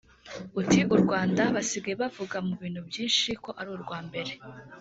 Ati “U Rwanda basigaye bavuga mu bintu byinshi ko ari urwa mbere